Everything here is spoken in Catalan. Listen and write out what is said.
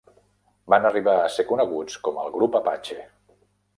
Van arribar a ser coneguts com el "Grup Apache".